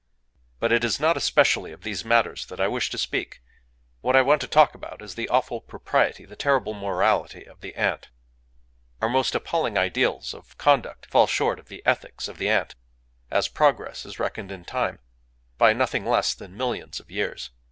But it is not especially of these matters that I wish to speak. What I want to talk about is the awful propriety, the terrible morality, of the ant. Our most appalling ideals of conduct fall short of the ethics of the ant,—as progress is reckoned in time,—by nothing less than millions of years!...